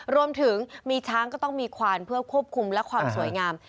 รวมถึงมีช้างก็ต้องมีควานเพื่อควบคุมและความสวยงาม